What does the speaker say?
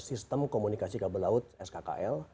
sistem komunikasi kabel laut skkl